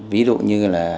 ví dụ như